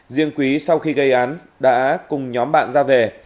riêng quý sau khi gây án đã cùng nhóm bạn ra về